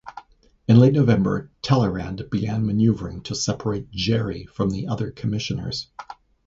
In late November Talleyrand began maneuvering to separate Gerry from the other commissioners.